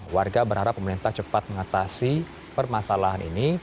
warga berharap pemerintah cepat mengatasi permasalahan ini